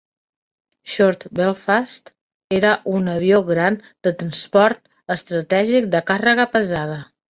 Short Belfast era un avió gran de transport estratègic de càrrega pesada.